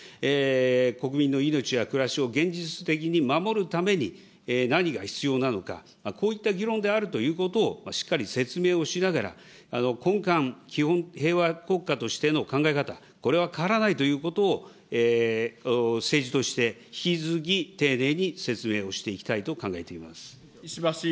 国民の命や暮らしを現実的に守るために、何が必要なのか、こういった議論であるということをしっかり説明をしながら、根幹、平和国家としての考え方、これは変わらないということを、政治として引き続き丁寧に説明をしていきたいと考えています。